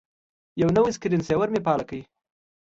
یو نوی سکرین سیور مې فعال کړ.